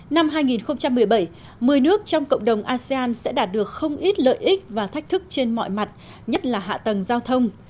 năm hai nghìn một mươi bảy một mươi nước trong cộng đồng asean sẽ đạt được không ít lợi ích và thách thức trên mọi mặt nhất là hạ tầng giao thông